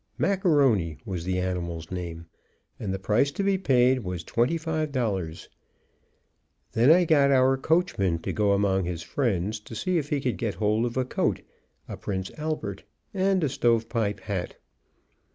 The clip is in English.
Macaroni was the animal's name, and the price to be paid was $25. Then I got our coachman to go among his friends to see if he could get hold of a coat a Prince Albert and stove pipe hat.